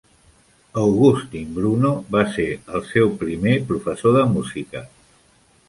Augustin Bruno va ser el seu primer professor de música.